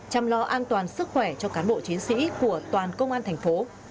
chăm lo an toàn sức khỏe cho cán bộ chiến sĩ của toàn công an thành phố